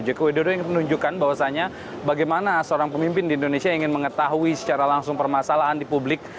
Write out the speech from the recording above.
jokowi dodo ingin menunjukkan bahwasannya bagaimana seorang pemimpin di indonesia ingin mengetahui secara langsung permasalahan di publik